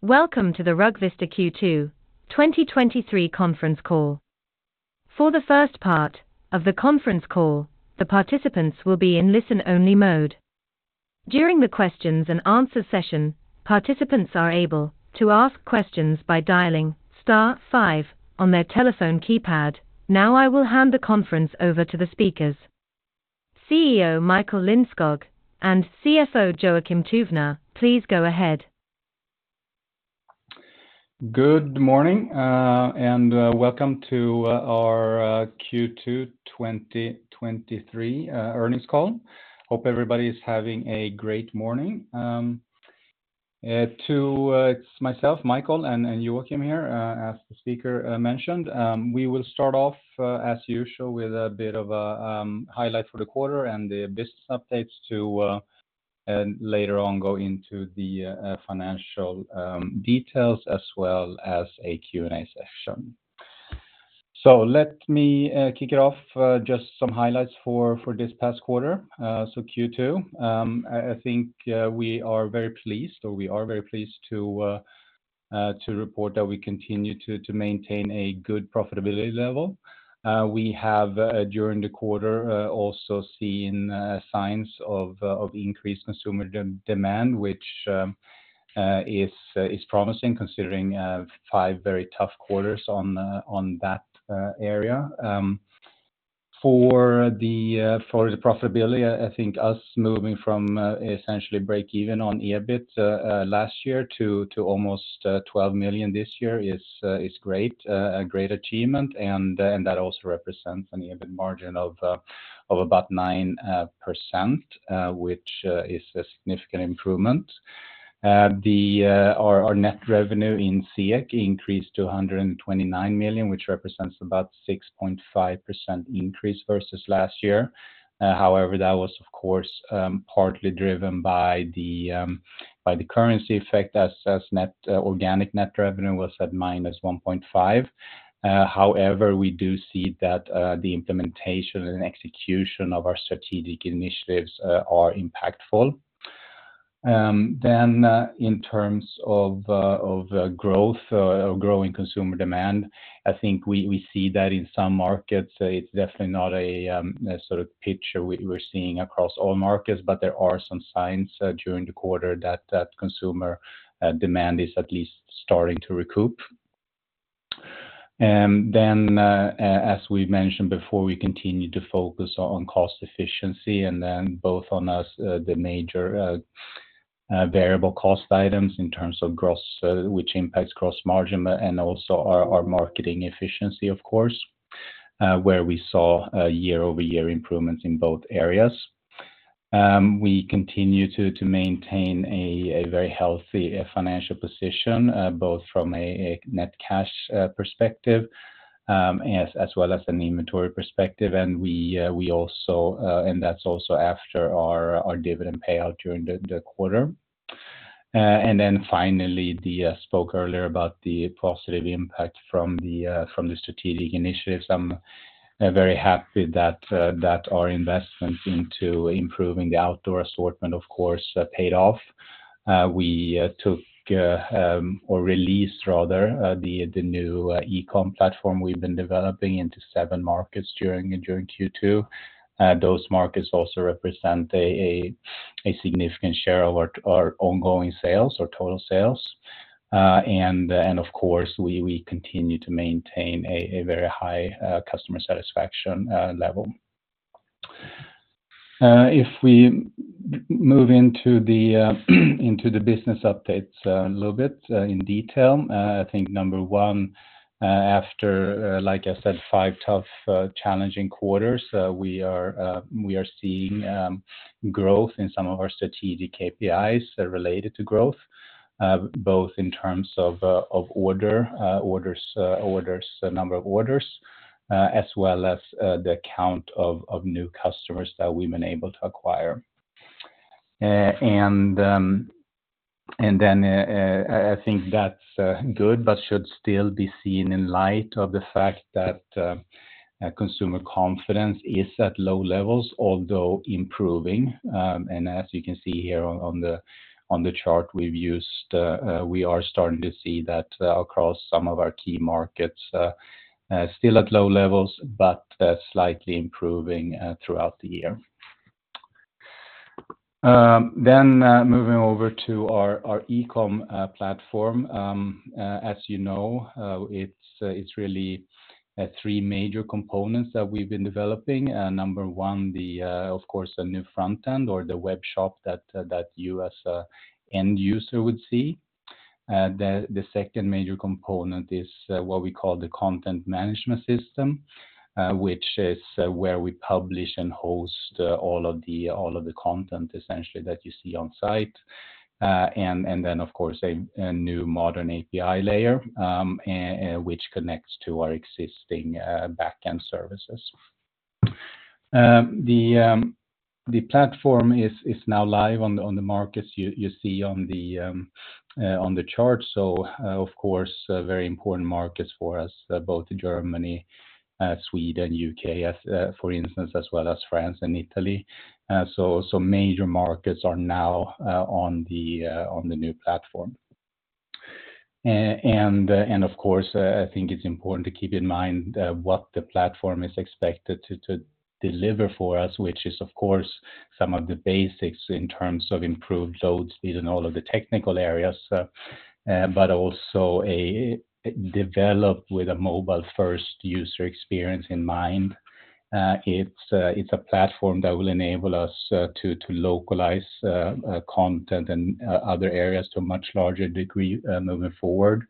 Welcome to the Rugvista Q2 2023 conference call. For the first part of the conference call, the participants will be in listen-only mode. During the questions and answer session, participants are able to ask questions by dialing star 5 on their telephone keypad. Now, I will hand the conference over to the speakers. CEO Michael Lindskog and CFO Joakim Tuvner, please go ahead. Good morning, and welcome to our Q2 2023 earnings call. Hope everybody is having a great morning. It's myself, Michael, and Joakim here, as the speaker mentioned. We will start off as usual with a bit of a highlight for the quarter and the business updates to later on, go into the financial details, as well as a Q&A session. Let me kick it off, just some highlights for this past quarter, so Q2. I think we are very pleased, or we are very pleased to report that we continue to maintain a good profitability level. We have, during the quarter, also seen signs of increased consumer demand, which is promising, considering 5 very tough quarters on that area. For the profitability, I think us moving from essentially break even on EBIT last year to almost 12 million this year is a great achievement, and that also represents an EBIT margin of about 9%, which is a significant improvement. Our net revenue in SEK increased to 129 million, which represents about 6.5% increase versus last year. That was of course, partly driven by the by the currency effect, as, as net organic net revenue was at minus 1.5. We do see that the implementation and execution of our strategic initiatives are impactful. In terms of of growth, or growing consumer demand, I think we, we see that in some markets. It's definitely not a a sort of picture we-we're seeing across all markets, but there are some signs during the quarter that, that consumer demand is at least starting to recoup. As we've mentioned before, we continue to focus on cost efficiency, both on us, the major variable cost items in terms of gross, which impacts gross margin, and also our marketing efficiency, of course, where we saw a year-over-year improvements in both areas. We continue to maintain a very healthy financial position, both from a net cash perspective, as well as an inventory perspective. We also, and that's also after our dividend payout during the quarter. Finally, spoke earlier about the positive impact from the strategic initiatives. I'm very happy that our investment into improving the outdoor assortment, of course, paid off. We took or released rather, the new e-com platform we've been developing into 7 markets during Q2. Those markets also represent a, a, a significant share of our, our ongoing sales or total sales. Of course, we continue to maintain a, a very high customer satisfaction level. If we m-move into the business updates a little bit in detail, I think number 1, after like I said, 5 tough, challenging quarters, we are seeing growth in some of our strategic KPIs that are related to growth, both in terms of of order, orders, orders, number of orders, as well as the count of new customers that we've been able to acquire. Then, I think that's good, but should still be seen in light of the fact that consumer confidence is at low levels, although improving. As you can see here on, on the, on the chart we've used, we are starting to see that across some of our key markets, still at low levels, but slightly improving throughout the year. Moving over to our, our e-com platform, as you know, it's, it's really, three major components that we've been developing. Number one, the, of course, the new front end or the webshop that, that you as a end user would see. The, the second major component is what we call the content management system, which is where we publish and host all of the, all of the content essentially that you see on site. Then, of course, a, a new modern API layer, and which connects to our existing backend services. The, the platform is, is now live on the, on the markets you, you see on the chart. Of course, very important markets for us, both Germany, Sweden, UK, as, for instance, as well as France and Italy. So, major markets are now on the new platform. Of course, I think it's important to keep in mind, what the platform is expected to deliver for us, which is, of course, some of the basics in terms of improved load speed and all of the technical areas, and but also a, developed with a mobile-first user experience in mind. It's a platform that will enable us to localize content and other areas to a much larger degree, moving forward.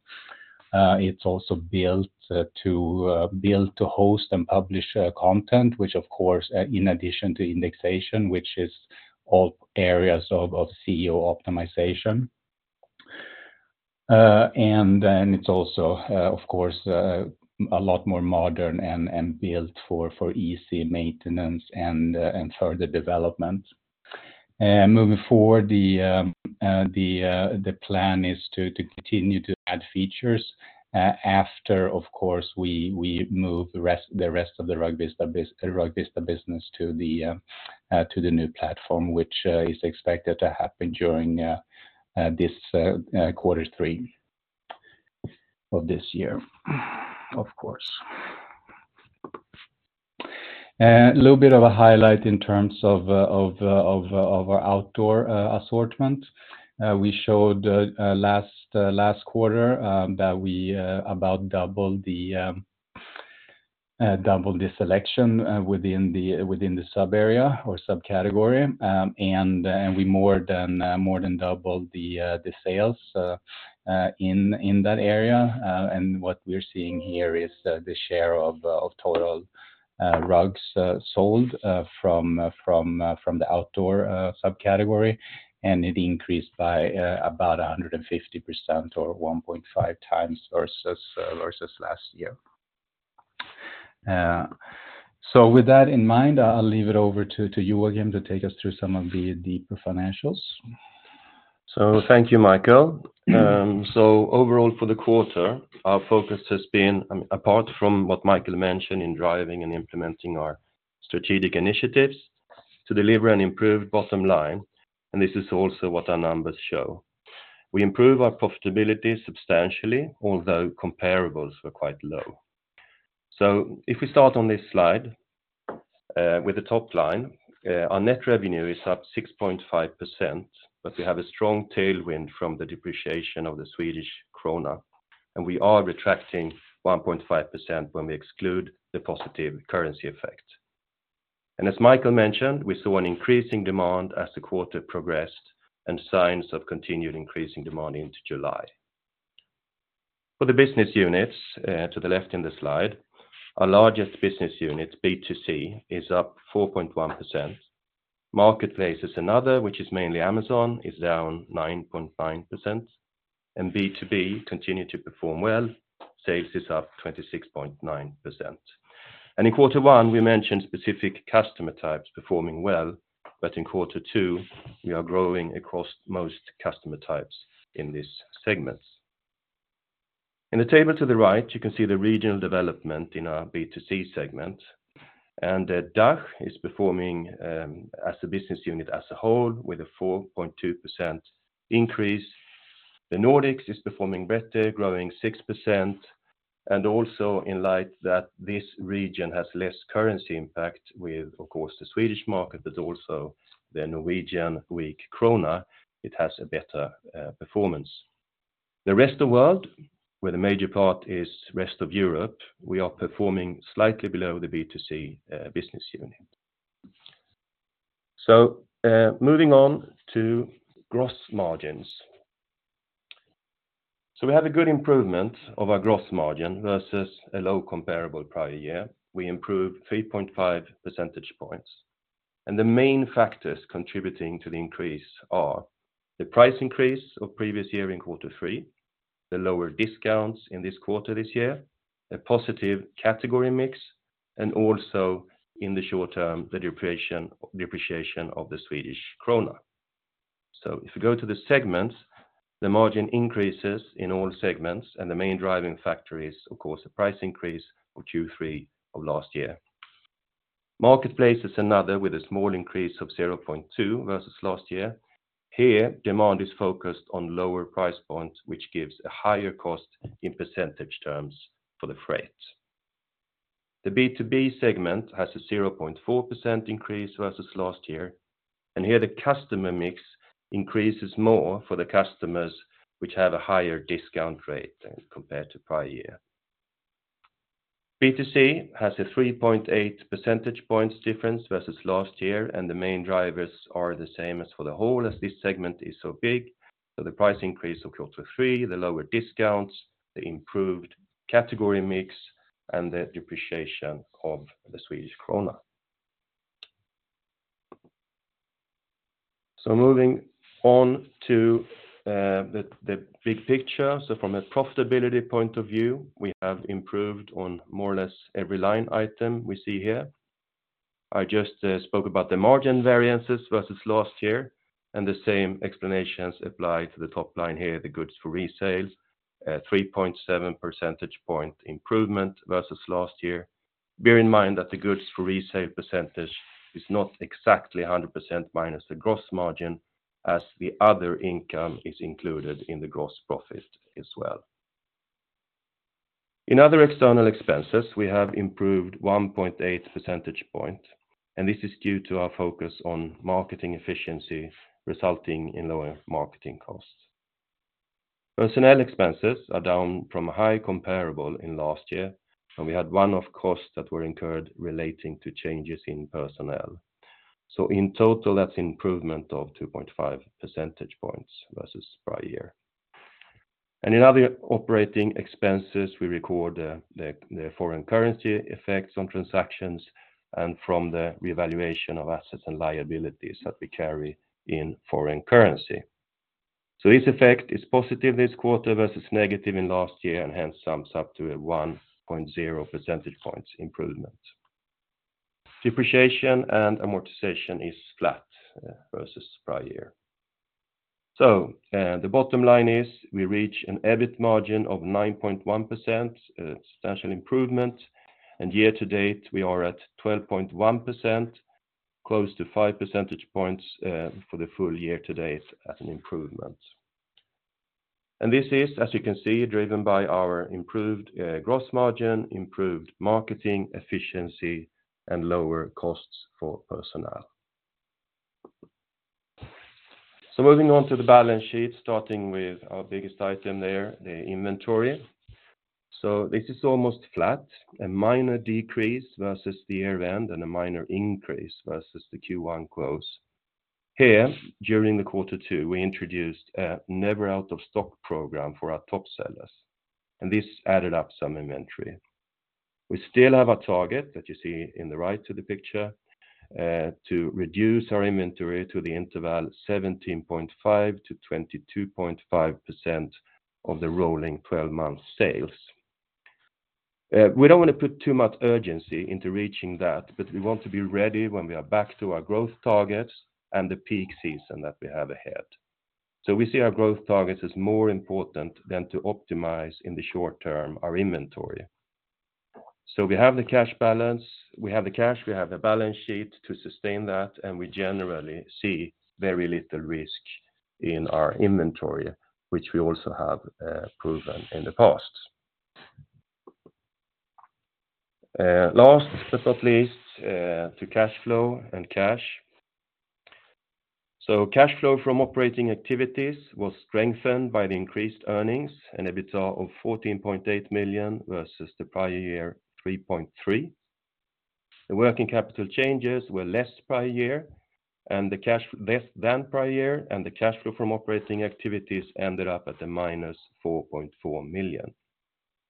It's also built to host and publish content, which, of course, in addition to indexation, which is all areas of SEO optimization. Then it's also, of course, a lot more modern and built for easy maintenance and further development. Moving forward, the plan is to continue to add features after, of course, we move the rest, the rest of the Rugvista business to the new platform, which is expected to happen during this quarter 3 of this year, of course. A little bit of a highlight in terms of our outdoor assortment. We showed last last quarter that we about doubled the doubled the selection within the within the subarea or subcategory, and we more than more than doubled the sales in that area. What we're seeing here is the share of, of total rugs sold from from from the outdoor subcategory, and it increased by about 150% or 1.5x versus versus last year. With that in mind, I'll leave it over to, to you, Joakim, to take us through some of the deeper financials. Thank you, Michael. Overall for the quarter, our focus has been, apart from what Michael mentioned in driving and implementing our strategic initiatives, to deliver an improved bottom line. This is also what our numbers show. We improved our profitability substantially, although comparables were quite low. If we start on this slide, with the top line, our net revenue is up 6.5%. We have a strong tailwind from the depreciation of the Swedish krona. We are retracting 1.5% when we exclude the positive currency effect. As Michael mentioned, we saw an increasing demand as the quarter progressed and signs of continued increasing demand into July. For the business units, to the left in the slide, our largest business unit, B2C, is up 4.1%. Marketplace is another, which is mainly Amazon, is down 9.9%. B2B continue to perform well. Sales is up 26.9%. In quarter one, we mentioned specific customer types performing well, but in quarter two, we are growing across most customer types in these segments. In the table to the right, you can see the regional development in our B2C segment. DACH is performing as a business unit as a whole with a 4.2% increase. The Nordics is performing better, growing 6%, and also in light that this region has less currency impact with, of course, the Swedish market, but also the Norwegian weak krona, it has a better performance. The Rest of world, where the major part is rest of Europe, we are performing slightly below the B2C business unit. Moving on to gross margins. We have a good improvement of our gross margin versus a low comparable prior year. We improved 3.5 percentage points, and the main factors contributing to the increase are the price increase of previous year in Q3, the lower discounts in this quarter this year, a positive category mix, and also in the short term, the depreciation, depreciation of the Swedish krona. If you go to the segments, the margin increases in all segments, and the main driving factor is, of course, the price increase of Q3 of last year. Marketplace is another, with a small increase of 0.2 versus last year. Here, demand is focused on lower price points, which gives a higher cost in percentage terms for the freight. The B2B segment has a 0.4% increase versus last year. Here the customer mix increases more for the customers, which have a higher discount rate compared to prior year. B2C has a 3.8 percentage points difference versus last year. The main drivers are the same as for the whole, as this segment is so big. The price increase of quarter three, the lower discounts, the improved category mix, and the depreciation of the Swedish krona. Moving on to the big picture. From a profitability point of view, we have improved on more or less every line item we see here. I just spoke about the margin variances versus last year. The same explanations apply to the top line here, the goods for resale, 3.7 percentage point improvement versus last year. Bear in mind that the goods for resale percentage is not exactly 100% minus the gross margin, as the other income is included in the gross profit as well. In other external expenses, we have improved 1.8 percentage points. This is due to our focus on marketing efficiency, resulting in lower marketing costs. Personnel expenses are down from a high comparable in last year. We had one-off costs that were incurred relating to changes in personnel. In total, that's improvement of 2.5 percentage points versus prior year. In other operating expenses, we record the foreign currency effects on transactions and from the revaluation of assets and liabilities that we carry in foreign currency. This effect is positive this quarter versus negative in last year, and hence sums up to a 1.0 percentage points improvement. Depreciation and amortization is flat versus prior year. The bottom line is we reach an EBIT margin of 9.1%, a substantial improvement, and year to date, we are at 12.1%, close to 5 percentage points for the full year to date as an improvement. This is, as you can see, driven by our improved gross margin, improved marketing efficiency, and lower costs for personnel. Moving on to the balance sheet, starting with our biggest item there, the inventory. This is almost flat, a minor decrease versus the year-end and a minor increase versus the Q1 close. Here, during the Q2, we introduced a Never Out of Stock program for our top sellers, and this added up some inventory. We still have a target that you see in the right to the picture, to reduce our inventory to the interval 17.5%-22.5% of the rolling 12-month sales. We don't want to put too much urgency into reaching that, but we want to be ready when we are back to our growth targets and the peak season that we have ahead. We see our growth targets as more important than to optimize in the short term our inventory. We have the cash balance, we have the cash, we have a balance sheet to sustain that, and we generally see very little risk in our inventory, which we also have proven in the past. Last but not least, to cash flow and cash. Cash flow from operating activities was strengthened by the increased earnings, an EBITDA of 14.8 million versus the prior year, 3.3. The working capital changes were less than prior year, and the cash flow from operating activities ended up at -4.4 million.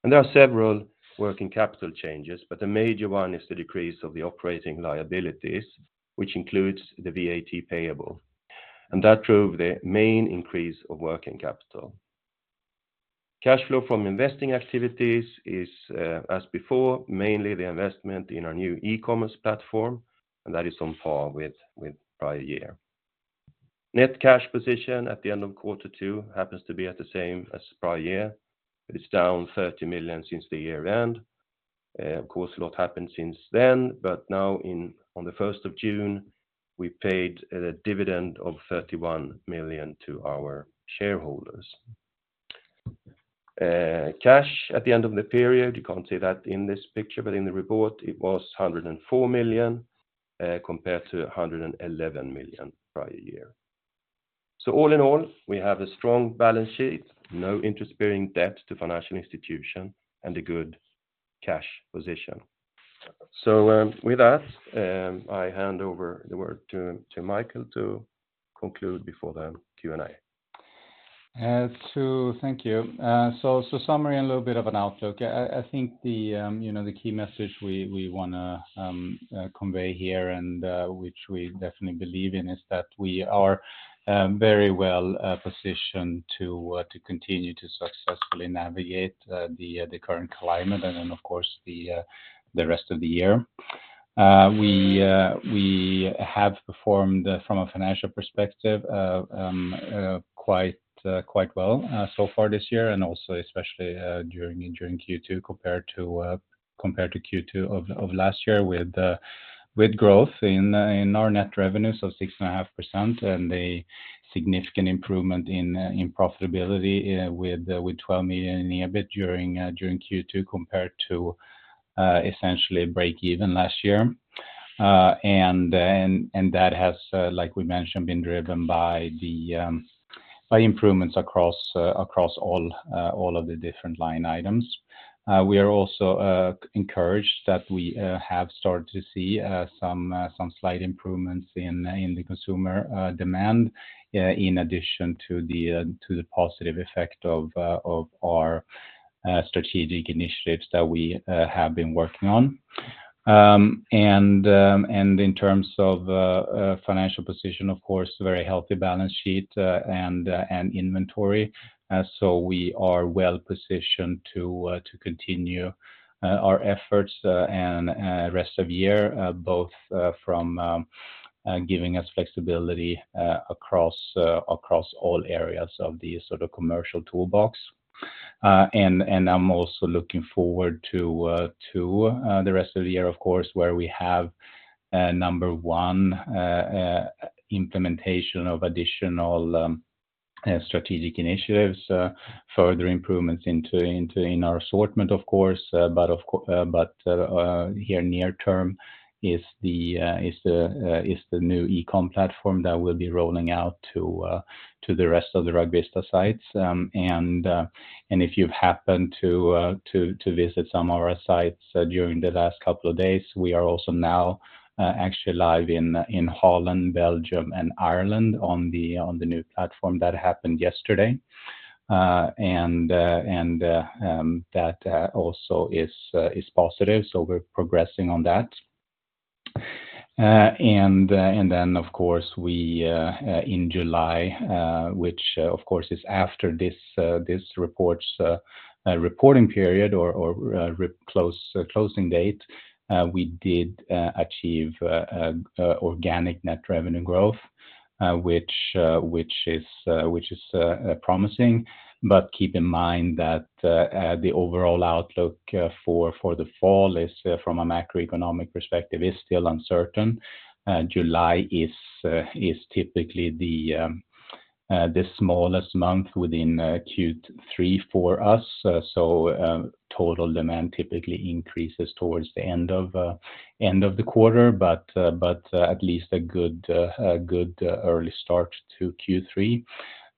There are several working capital changes, but the major one is the decrease of the operating liabilities, which includes the VAT payable, and that drove the main increase of working capital. Cash flow from investing activities is as before, mainly the investment in our new e-commerce platform, and that is on par with prior year. Net cash position at the end of Q2 happens to be at the same as prior year. It is down 30 million since the year-end. Of course, a lot happened since then. Now in, on the first of June, we paid a dividend of 31 million to our shareholders. Cash at the end of the period, you can't see that in this picture, but in the report it was 104 million, compared to 111 million prior year. All in all, we have a strong balance sheet, no interest-bearing debt to financial institution, and a good cash position. With that, I hand over the word to Michael to conclude before the Q&A. Thank you. So, so summary and a little bit of an outlook. I, I think the, you know, the key message we, we wanna convey here and, which we definitely believe in, is that we are very well positioned to continue to successfully navigate the current climate and then, of course, the rest of the year. We have performed from a financial perspective, quite well, so far this year and also especially, during Q2 compared to Q2 of last year with growth in our net revenue, so 6.5%, and a significant improvement in profitability, with 12 million in EBIT during Q2, compared to essentially break even last year. That has, like we mentioned, been driven by the improvements across all of the different line items. We are also encouraged that we have started to see some slight improvements in the consumer demand in addition to the positive effect of our strategic initiatives that we have been working on. In terms of financial position, of course, very healthy balance sheet and inventory. We are well positioned to continue our efforts and rest of year, both from giving us flexibility across across all areas of the sort of commercial toolbox.... I'm also looking forward to the rest of the year, of course, where we have number one, implementation of additional strategic initiatives, further improvements into, into in our assortment, of course, but here near term is the new e-com platform that we'll be rolling out to the rest of the Rugvista sites. If you've happened to visit some of our sites during the last couple of days, we are also now actually live in Holland, Belgium, and Ireland on the new platform. That happened yesterday. That also is positive, so we're progressing on that. Then, of course, we in July, which of course, is after this this report's reporting period or, or close closing date, we did achieve organic net revenue growth, which which is which is promising. Keep in mind that the overall outlook for, for the fall is from a macroeconomic perspective, is still uncertain. July is typically the the smallest month within Q3 for us. Total demand typically increases towards the end of end of the quarter, but but at least a good a good early start to Q3.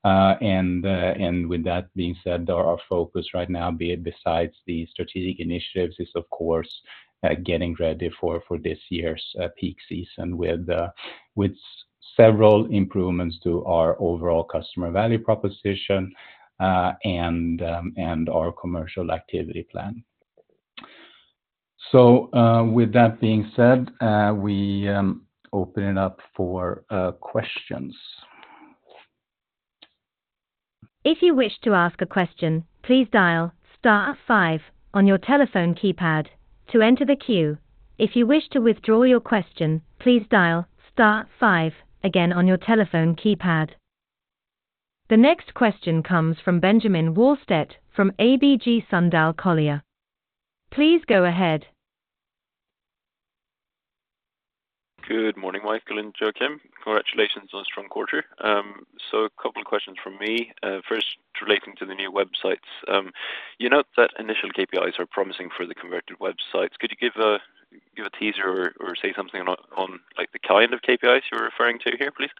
And with that being said, our focus right now, be it besides the strategic initiatives, is, of course, getting ready for for this year's peak season with with several improvements to our overall customer value proposition, and our commercial activity plan. With that being said, we open it up for questions. If you wish to ask a question, please dial star 5 on your telephone keypad to enter the queue. If you wish to withdraw your question, please dial star 5 again on your telephone keypad. The next question comes fromBenjamin Wahlstedt from ABG Sundal Collier. Please go ahead. Good morning, Michael and Joakim. Congratulations on a strong quarter. A couple of questions from me. First, relating to the new websites. You note that initial KPIs are promising for the converted websites. Could you give a, give a teaser or, or say something on, on, like, the kind of KPIs you're referring to here, please?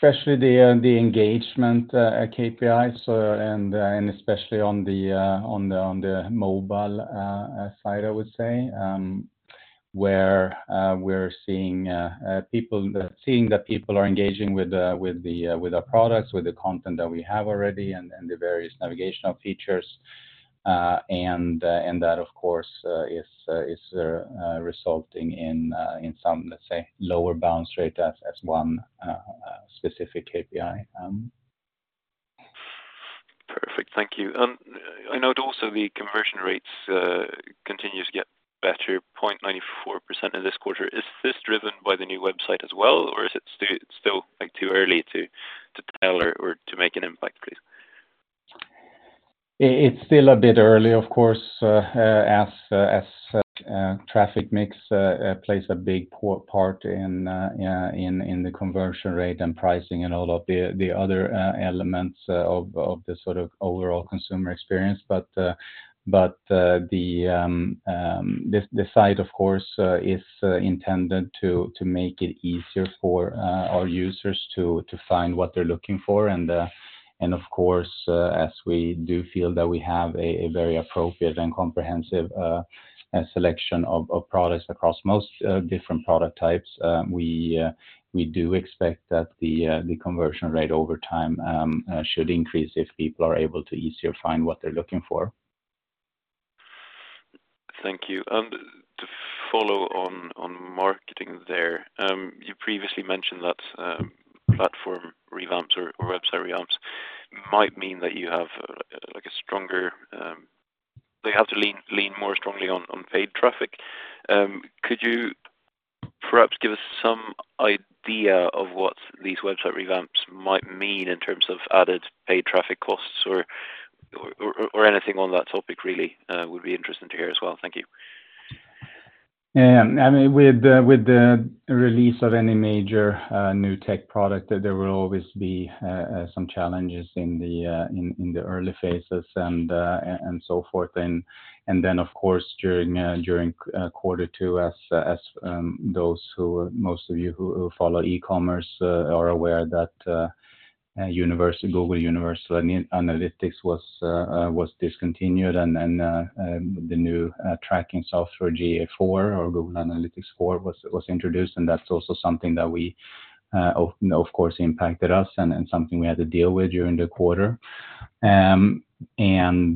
Especially the engagement KPIs, and especially on the mobile side, I would say. Where we're seeing that people are engaging with our products, with the content that we have already and the various navigational features. That, of course, is resulting in some, let's say, lower bounce rate as one specific KPI. Perfect. Thank you. I note also the conversion rates, continues to get better, 0.94% in this quarter. Is this driven by the new website as well, or is it still, like, too early to tell or to make an impact, please? It's still a bit early, of course, as, as, traffic mix, plays a big poor part in, in the conversion rate and pricing and all of the, the other, elements, of, of the sort of overall consumer experience. The site, of course, is intended to make it easier for our users to find what they're looking for. Of course, as we do feel that we have a very appropriate and comprehensive selection of products across most different product types, we do expect that the conversion rate over time should increase if people are able to easier find what they're looking for. Thank you. To follow on, on marketing there, you previously mentioned that platform revamps or website revamps might mean that you have, like, a stronger... They have to lean, lean more strongly on, on paid traffic. Could you perhaps give us some idea of what these website revamps might mean in terms of added paid traffic costs or, or, or, or anything on that topic really, would be interesting to hear as well? Thank you. Yeah, I mean, with the, with the release of any major, new tech product, there will always be some challenges in the, in, in the early phases and so forth. Then, of course, during quarter two, as those who... Most of you who follow e-commerce are aware that Universal, Google Universal Analytics was discontinued, and then the new tracking software, GA4 or Google Analytics 4, was introduced. That's also something that we, of course, impacted us and something we had to deal with during the quarter and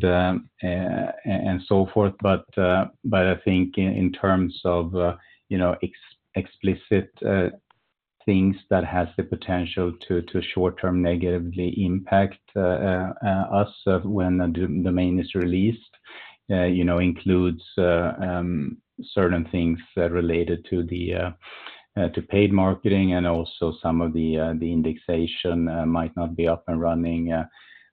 so forth. I think in, in terms of, you know, ex- explicit things that has the potential to, to short-term negatively impact us when the domain is released, you know, includes certain things related to the to paid marketing and also some of the the indexation might not be up and running.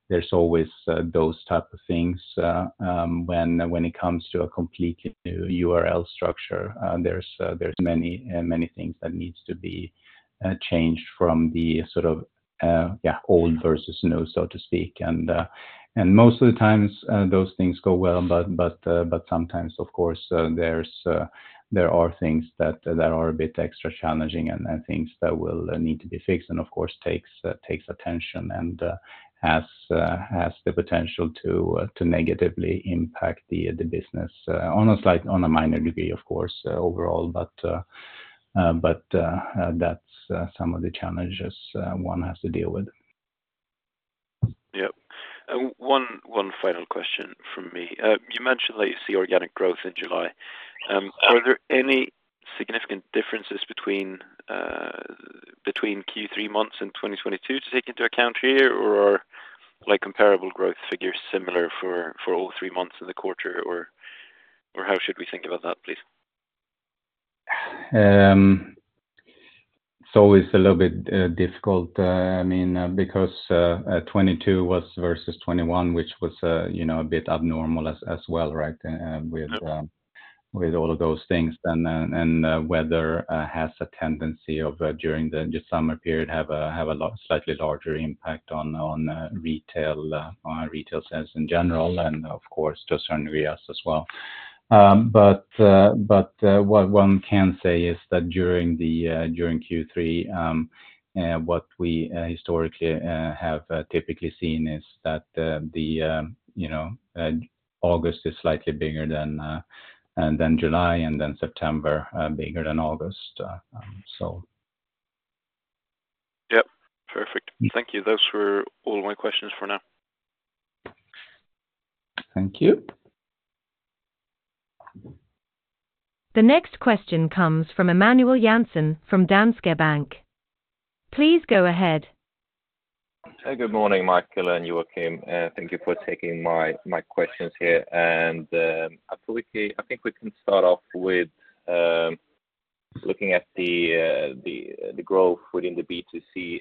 There's always those type of things when, when it comes to a completely new URL structure, there's there's many and many things that needs to be changed from the sort of, yeah, old versus new, so to speak. Most of the times, those things go well, but, but, but sometimes, of course, there's, there are things that, that are a bit extra challenging and, and things that will, need to be fixed, and, of course, takes, takes attention and, has, has the potential to, to negatively impact the, the business, on a slight-- on a minor degree, of course, overall. But, that's, some of the challenges, one has to deal with. Yep. one, one final question from me. You mentioned that you see organic growth in July. Yeah. Are there any significant differences between between Q3 months in 2022 to take into account here? Are like comparable growth figures similar for all three months of the quarter, or how should we think about that, please? It's always a little bit difficult, I mean, because 2022 was versus 2021, which was, you know, a bit abnormal as, as well, right? Yep. With all of those things, weather has a tendency of during the summer period, have a lot slightly larger impact on retail, on retail sales in general and of course, to certainly us as well. What one can say is that during Q3, what we historically have typically seen is that the, you know, August is slightly bigger than July, September bigger than August. Yep. Perfect. Thank you. Those were all my questions for now. Thank you. The next question comes from Immanuel Janssen from Danske Bank. Please go ahead. Hey, good morning, Mikael and Joakim. Thank you for taking my, my questions here. Absolutely, I think we can start off with, looking at the, the, the growth within the B2C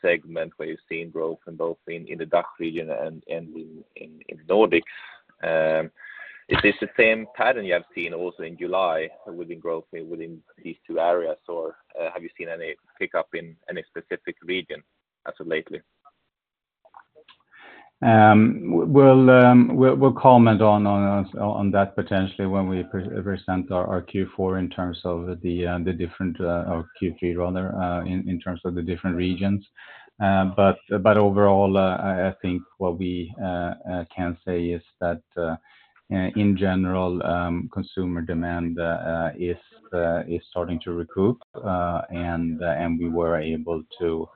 segment, where you're seeing growth in both in, in the DACH region and, and in, in, in Nordics. Is this the same pattern you have seen also in July within growth within these two areas, or, have you seen any pickup in any specific region as of lately? We'll, we'll, we'll comment on, on, on that potentially when we pre-present our, our Q4 in terms of the different, or Q3 rather, in, in terms of the different regions. Overall, I, I think what we can say is that in general, consumer demand is starting to recoup. We were able to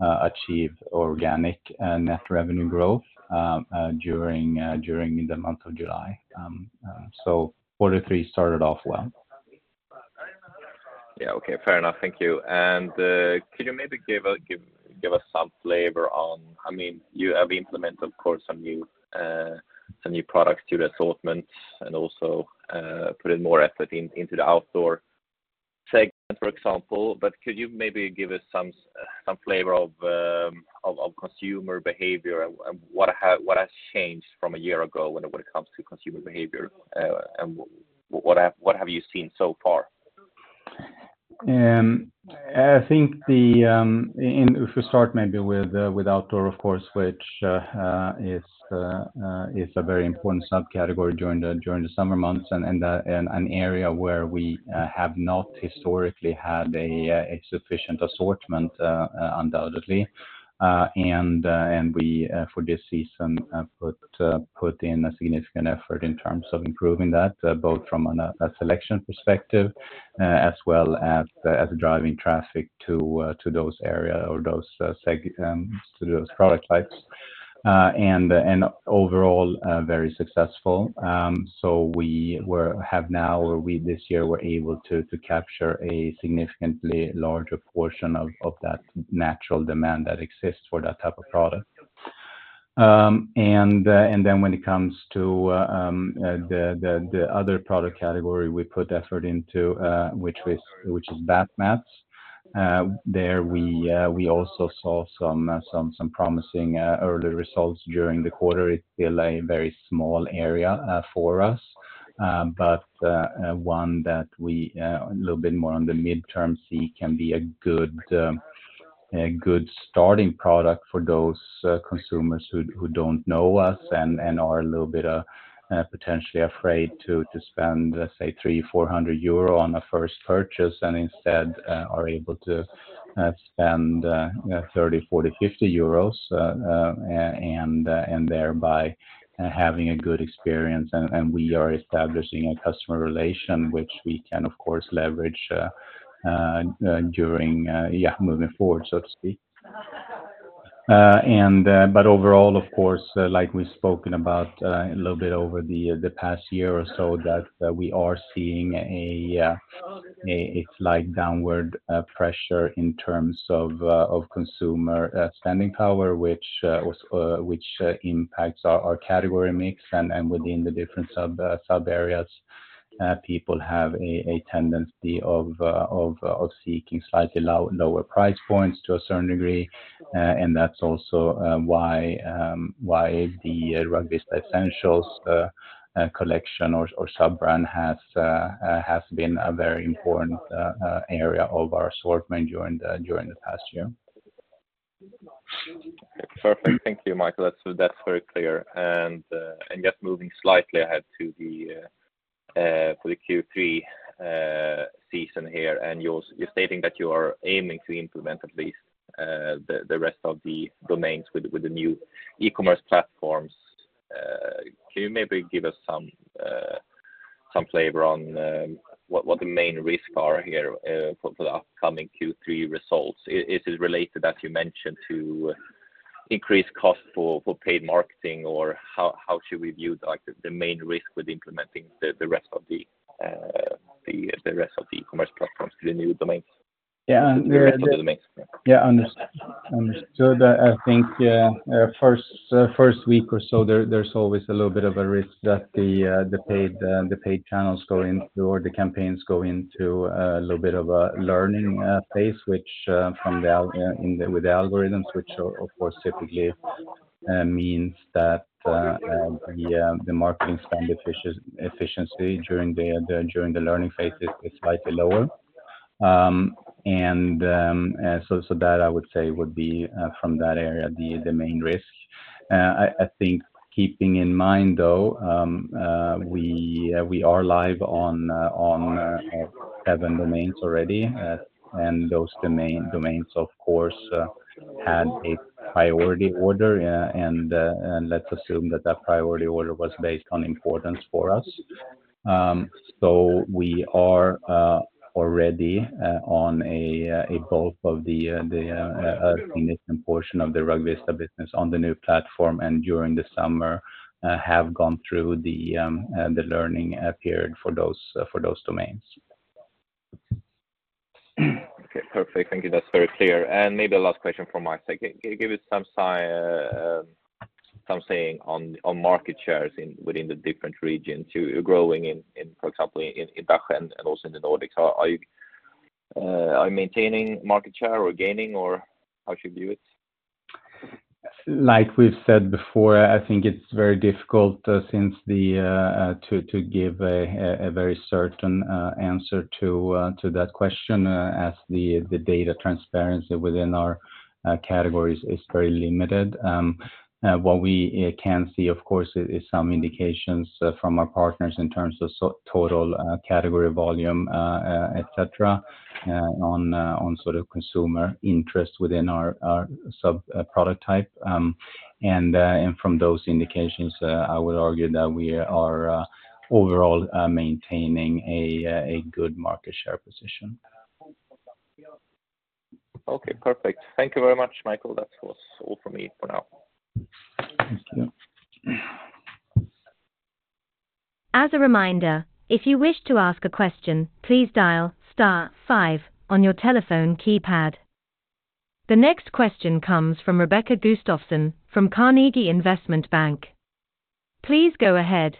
achieve organic and net revenue growth during the month of July. Quarter three started off well. Yeah. Okay, fair enough. Thank you. Could you maybe give us, give, give us some flavor on, I mean, you have implemented, of course, some new, some new products to the assortments and also put in more effort in, into the outdoor segment, for example. Could you maybe give us some, some flavor of, of, of consumer behavior and what have, what has changed from a year ago when, when it comes to consumer behavior? What have, what have you seen so far? I think the, and if we start maybe with outdoor, of course, which is a very important subcategory during the summer months and an area where we have not historically had a sufficient assortment, undoubtedly. We for this season put in a significant effort in terms of improving that, both from a selection perspective, as well as, as driving traffic to those area or those seg to those product types. Overall, very successful. We have now, or we this year, were able to, to capture a significantly larger portion of, of that natural demand that exists for that type of product. category we put effort into, which is bath mats. There we also saw some promising early results during the quarter. It's still a very small area for us, but one that we a little bit more on the midterm see can be a good starting product for those consumers who don't know us and are a little bit potentially afraid to spend, let's say, 300-400 euro on a first purchase and instead are able to spend 30, 40, 50 euros and thereby having a good experience And we are establishing a customer relation, which we can, of course, leverage during, yeah, moving forward, so to speak. But overall, of course, like we've spoken about a little bit over the past year or so, that we are seeing a slight downward pressure in terms of consumer spending power, which was, which impacts our category mix and within the different sub areas, people have a tendency of seeking slightly low-lower price points to a certain degree. That's also why why the Rugvista Essentials collection or sub-brand has been a very important area of our assortment during the past year. Perfect. Thank you, Michael. That's, that's very clear. Just moving slightly ahead to the for the Q3 season here, and you're, you're stating that you are aiming to implement at least the the rest of the domains with the with the new e-commerce platforms. Can you maybe give us some flavor on what, what the main risks are here for, for the upcoming Q3 results? Is it related, as you mentioned, to increased costs for, for paid marketing, or how, how should we view, like, the main risk with implementing the, the rest of the, the, the rest of the e-commerce platforms to the new domains? Yeah, and. The rest of the domains. Yeah, understood. I think first first week or so, there, there's always a little bit of a risk that the the paid the paid channels go into or the campaigns go into a little bit of a learning phase, which in the, with the algorithms, which of of course, typically means that the the marketing spend efficiency during the during the learning phase is is slightly lower. So, so that I would say would be from that area, the the main risk. I I think keeping in mind, though, we we are live on on seven domains already. Those domain- domains, of course, had a priority order, and, and let's assume that that priority order was based on importance for us. So we are already on a a bulk of the the significant portion of the Rugvista business on the new platform, and during the summer, have gone through the the learning period for those for those domains. Okay, perfect. Thank you. That's very clear. Maybe a last question from my side. Can, can you give us some saying on, on market shares in, within the different regions? You, you're growing in, in, for example, in, in Belgium and also in the Nordics. Are you, are you maintaining market share or gaining or how should we view it? Like we've said before, I think it's very difficult, since the to give a very certain answer to that question, as the data transparency within our categories is very limited. What we can see, of course, is some indications from our partners in terms of total category volume, et cetera, on on sort of consumer interest within our our sub product type. From those indications, I would argue that we are overall maintaining a good market share position. Okay, perfect. Thank you very much, Michael. That was all from me for now. Thank you. As a reminder, if you wish to ask a question, please dial star 5 on your telephone keypad. The next question comes from Rebecka Gustafsson from Carnegie Investment Bank. Please go ahead.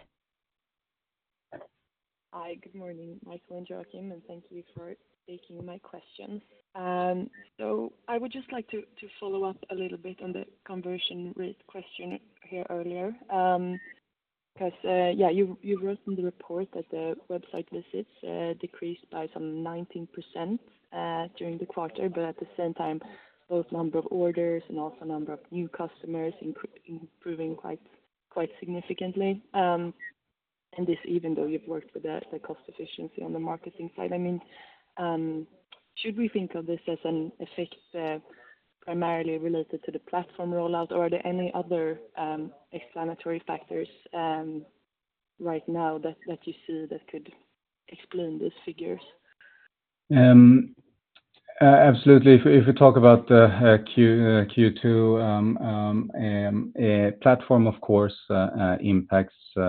Hi, good morning, Michael and Joachim. Thank you for taking my questions. I would just like to, to follow up a little bit on the conversion rate question here earlier. You, you wrote in the report that the website visits decreased by some 19% during the quarter, but at the same time, both number of orders and also number of new customers improving quite, quite significantly. This even though you've worked with the, the cost efficiency on the marketing side, should we think of this as an effect primarily related to the platform rollout, or are there any other explanatory factors right now that, that you see that could explain these figures? Absolutely. If we, if we talk about Q2 platform, of course, impacts to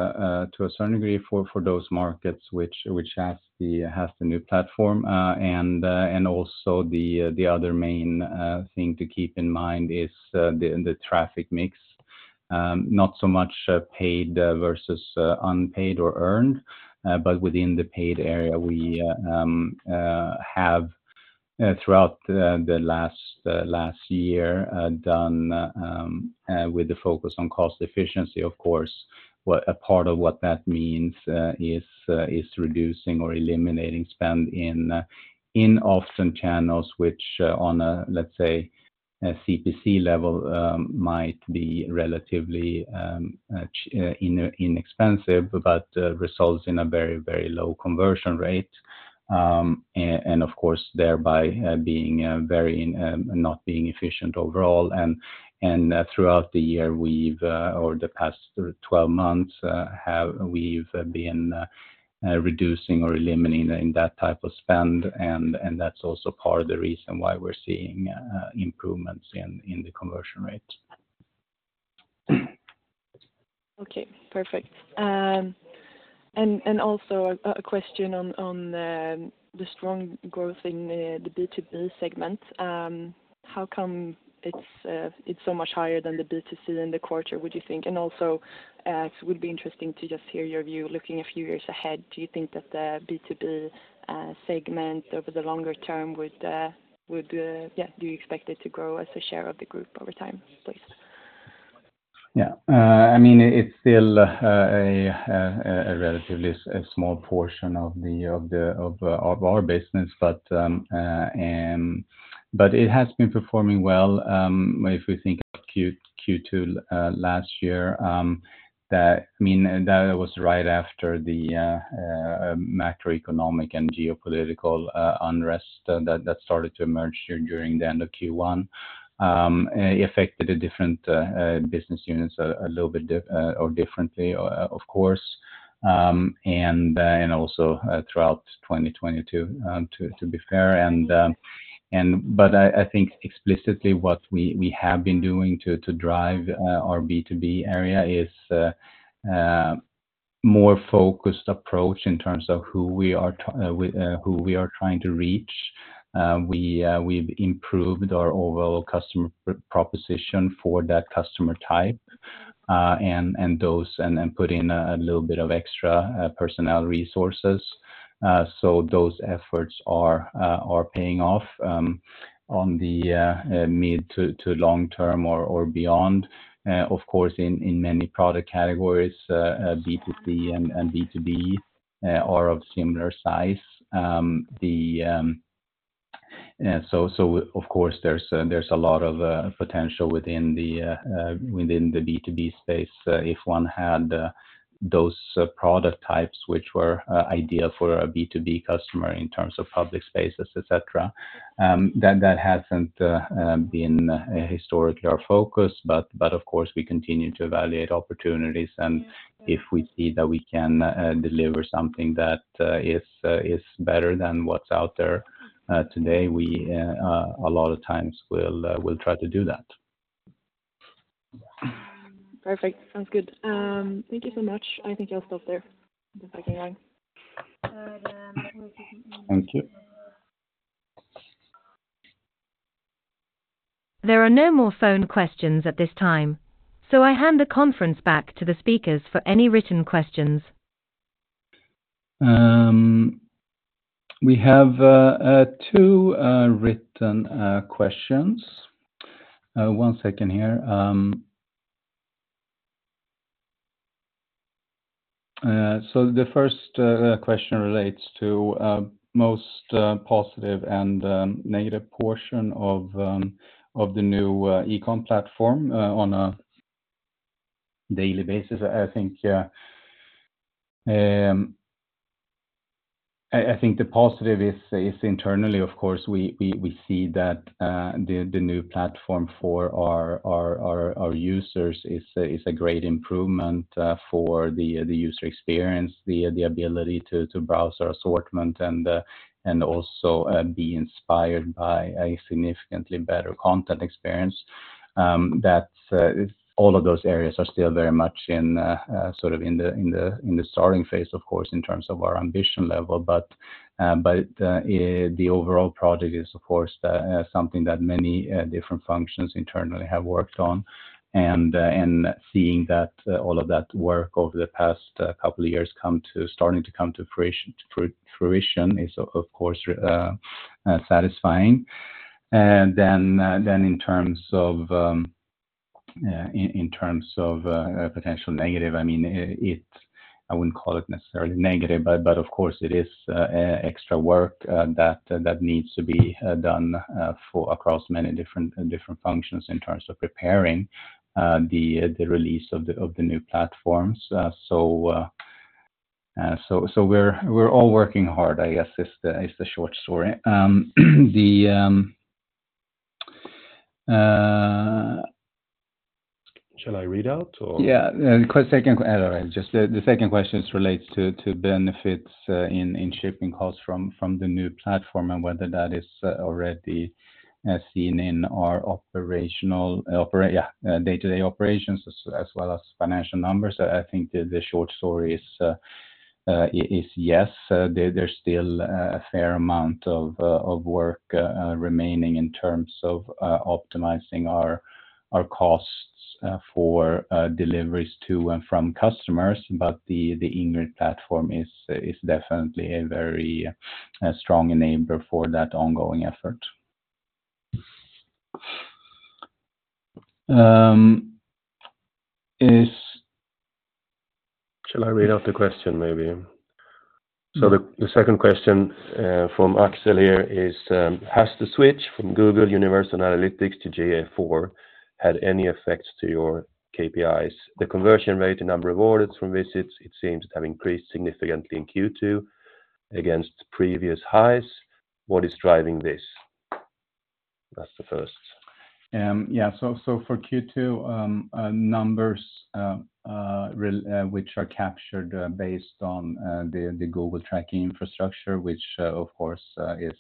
a certain degree for those markets which has the new platform. Also the other main thing to keep in mind is the traffic mix. Not so much paid versus unpaid or earned, but within the paid area, we have throughout the last last year done with the focus on cost efficiency, of course, a part of what that means is reducing or eliminating spend in in-off some channels, which on a, let's say, a CPC level, might be relatively inexpensive, but results in a very, very low conversion rate. Of course, thereby being very in not being efficient overall. Throughout the year, we've or the past 12 months, we've been reducing or eliminating in that type of spend, and that's also part of the reason why we're seeing improvements in the conversion rate. Okay, perfect. And also a question on the strong growth in the B2B segment. How come it's so much higher than the B2C in the quarter, would you think? Also, it would be interesting to just hear your view, looking a few years ahead, do you think that the B2B segment over the longer term would, would, yeah, do you expect it to grow as a share of the group over time, please? Yeah. I mean, it's still a relatively small portion of our business, but... It has been performing well. If we think of Q2, Q2 last year, that, I mean, that was right after the macroeconomic and geopolitical unrest, that, that started to emerge during the end of Q1. It affected the different business units a little bit differently, of course, and also throughout 2022, to be fair. I think explicitly what we have been doing to drive our B2B area is more focused approach in terms of who we are trying to reach. We've improved our overall customer proposition for that customer type, and those, and then put in a little bit of extra personnel resources. So those efforts are paying off on the mid to long term or beyond. Of course, in many product categories, B2C and B2B are of similar size. So of course, there's a lot of potential within the B2B space. If one had, those product types, which were, ideal for a B2B customer in terms of public spaces, et cetera, then that hasn't, been, historically our focus, but, but of course, we continue to evaluate opportunities, and if we see that we can, deliver something that, is, is better than what's out there, today, we, a lot of times will, will try to do that. Perfect. Sounds good. Thank you so much. I think I'll stop there. If I can run. Thank you. There are no more phone questions at this time, so I hand the conference back to the speakers for any written questions. We have two written questions. One second here. The first question relates to most positive and negative portion of the new e-com platform on a daily basis. I think, I think the positive is, is internally, of course, we, we, we see that the new platform for our, our, our, our users is a great improvement for the user experience, the ability to browse our assortment and also be inspired by a significantly better content experience. That all of those areas are still very much in sort of in the, in the, in the starting phase, of course, in terms of our ambition level. The overall project is, of course, something that many different functions internally have worked on. Seeing that, all of that work over the past couple of years starting to come to fruition, fruition is of course, satisfying. Then in terms of a potential negative, I mean, it, I wouldn't call it necessarily negative, but of course, it is extra work that needs to be done for across many different functions in terms of preparing the release of the new platforms. So, we're all working hard, I guess, is the short story. Shall I read out or? Yeah, second, all right, just the second question relates to benefits in shipping costs from the new platform and whether that is already seen in our operational, Yeah, day-to-day operations as well as financial numbers. I think the short story is, is yes. There's still a fair amount of of work remaining in terms of optimizing our costs for deliveries to and from customers, but the Ingrid platform is definitely a very strong enabler for that ongoing effort. Shall I read out the question maybe? Mm-hmm. The second question from Axel here is, "Has the switch from Google Universal Analytics to GA4 had any effects to your KPIs? The conversion rate and number of orders from visits, it seems to have increased significantly in Q2 against previous highs. What is driving this?" That's the first. For Q2 numbers, which are captured based on the Google tracking infrastructure, which of course is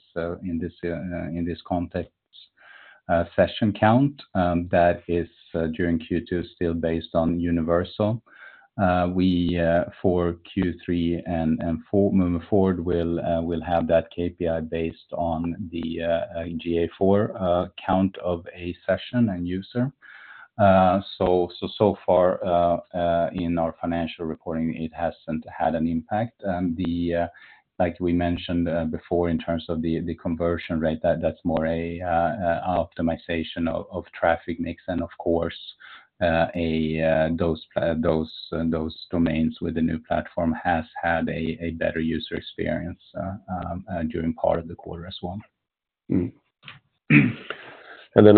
session count, that is during Q2 still based on Universal. We for Q3 and moving forward, we'll have that KPI based on the GA4 count of a session and user. So far, in our financial reporting, it hasn't had an impact. The, like we mentioned, before in terms of the, the conversion rate, that-that's more a, optimization of, of traffic mix and of course, a, those, those, those domains with the new platform has had a, a better user experience, during part of the quarter as well.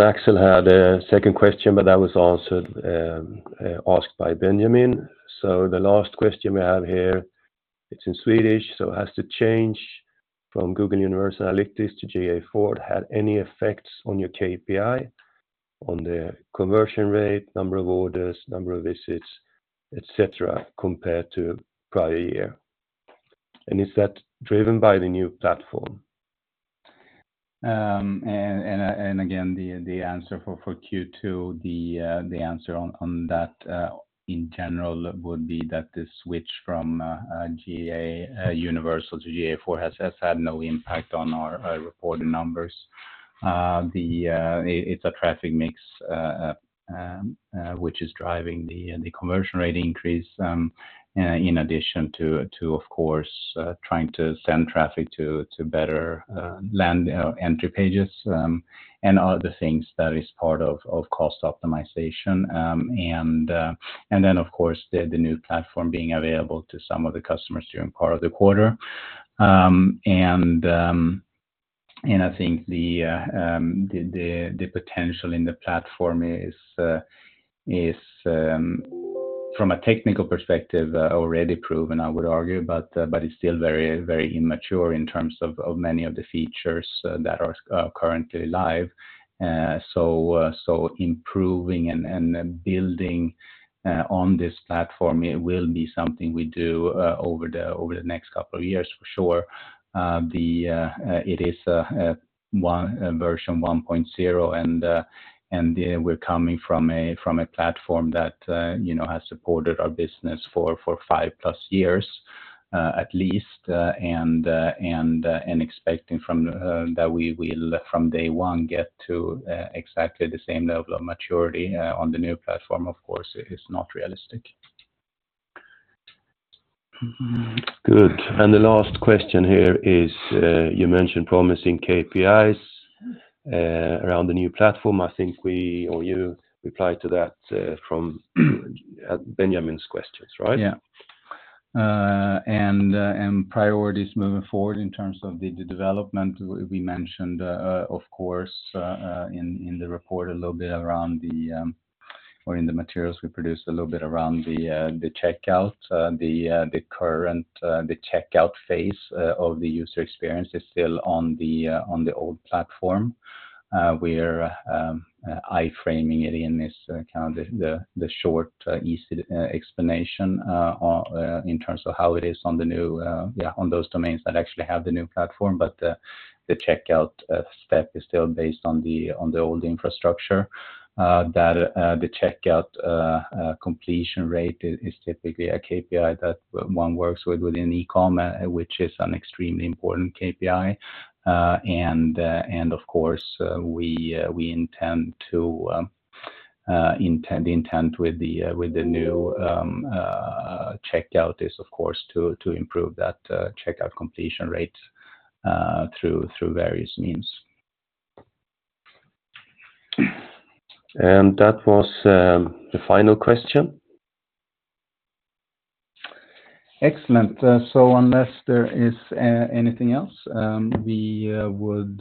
Axel had a second question, but that was also asked by Benjamin. The last question we have here, it's in Swedish, so has the change from Google Universal Analytics to GA4 had any effects on your KPI, on the conversion rate, number of orders, number of visits, et cetera, compared to prior year? Is that driven by the new platform? And, and, and again, the, the answer for, for Q2, the, the answer on, on that, in general would be that the switch from GA Universal to GA4 has, has had no impact on our reported numbers. The... It's a traffic mix, which is driving the, the conversion rate increase, in addition to, to, of course, trying to send traffic to, to better land entry pages, and other things that is part of, of cost optimization. And, and then, of course, the, the new platform being available to some of the customers during part of the quarter. I think the potential in the platform is from a technical perspective already proven, I would argue, but it's still very, very immature in terms of many of the features that are currently live. Improving and building on this platform, it will be something we do over the next couple of years, for sure. It is version 1.0, and we're coming from a platform that, you know, has supported our business for 5+ years, at least. Expecting from, that we will from day one get to, exactly the same level of maturity, on the new platform, of course, is not realistic. Good. The last question here is, you mentioned promising KPIs, around the new platform. I think we or you replied to that from Benjamin's questions, right? Yeah. Priorities moving forward in terms of the development, we mentioned, of course, in the report a little bit around the, or in the materials we produced a little bit around the checkout. The current checkout phase of the user experience is still on the old platform. We're iframe it in this, kind of the short, easy explanation, in terms of how it is on the new. Yeah, on those domains that actually have the new platform. The checkout step is still based on the old infrastructure. That the checkout completion rate is typically a KPI that one works with within e-commerce, which is an extremely important KPI. And of course, we, we intend to, intend, intent with the, with the new, checkout is, of course, to, to improve that, checkout completion rate, through, through various means. That was, the final question. Excellent. Unless there is anything else, we would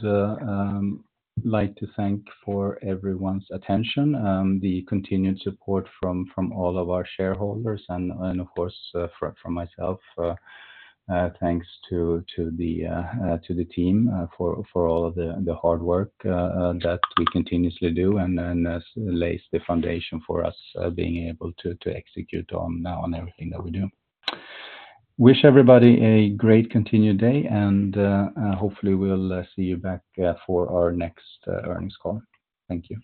like to thank for everyone's attention, the continued support from, from all of our shareholders and, and of course, from, from myself. Thanks to, to the team, for, for all of the, the hard work that we continuously do, and then as lays the foundation for us, being able to, to execute on now on everything that we do. Wish everybody a great continued day, hopefully we'll see you back for our next earnings call. Thank you.